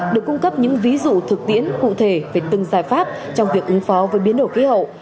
được cung cấp những ví dụ thực tiễn cụ thể về từng giải pháp trong việc ứng phó với biến đổi khí hậu